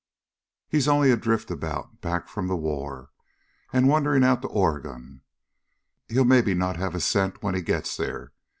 He's only a drift about back from the war, and wandering out to Oregon. He'll maybe not have a cent when he gets there.